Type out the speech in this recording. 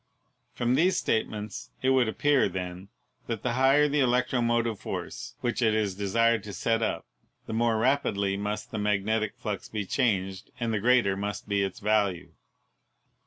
From these statements it would appear, then, that the higher the electromotive force which it is desired to set up, the more rapidly must the magnetic flux be changed and the greater must be its value.